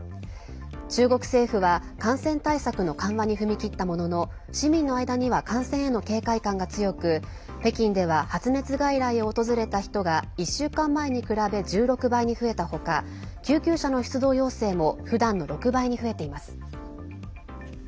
中国政府は、感染対策の緩和に踏み切ったものの市民の間には感染への警戒感が強く北京では発熱外来を訪れた人が１週間前に比べ１６倍に増えた他救急車の出動要請もふだんの６倍に増えています。